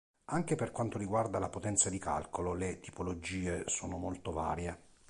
Anche per quanto riguarda la potenza di calcolo, le tipologie sono molto varie.